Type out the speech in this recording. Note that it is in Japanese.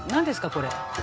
これ。